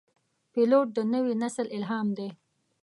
پیلوټ د نوي نسل الهام دی.